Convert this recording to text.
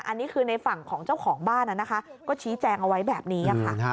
อันนี้คือในฝั่งของเจ้าของบ้านนะคะก็ชี้แจงเอาไว้แบบนี้ค่ะ